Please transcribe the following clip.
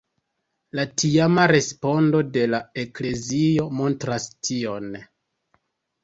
La tiama respondo de la eklezio montras tion.